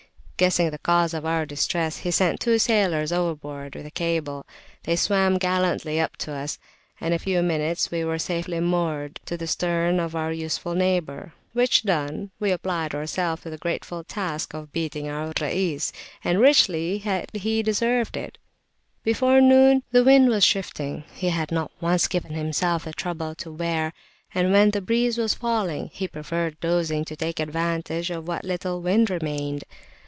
Guessing the cause of our distress, he sent two sailors overboard with a cable; they swam gallantly up to us; and in a few minutes we were safely moored to the stern of our useful neighbour. Which done, we applied ourselves to the grateful task of beating our Rais, and richly had he deserved it. Before noon, when the wind was shifting, he had not once given himself the trouble to wear; and when the breeze was falling, he preferred dosing to taking advantage of what little wind remained.